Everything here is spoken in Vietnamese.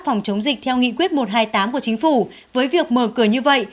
phòng chống dịch theo nghị quyết một trăm hai mươi tám của chính phủ với việc mở cửa như vậy